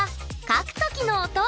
書くときの音？